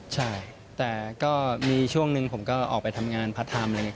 ใช่แต่ก็มีช่วงหนึ่งผมก็ออกไปทำงานพระธรรมอะไรอย่างนี้